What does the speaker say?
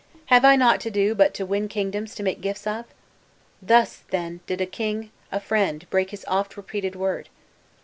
'Have I naught to do but to win kingdoms to make gifts of?' Thus, then, did a king, a friend, break his often repreated word!